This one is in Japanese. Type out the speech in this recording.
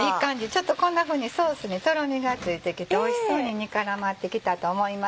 ちょっとこんなふうにソースにとろみがついてきておいしそうに煮絡まってきたと思います。